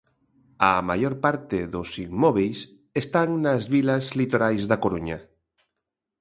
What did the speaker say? A maior parte dos inmóbeis están nas vilas litorais da Coruña.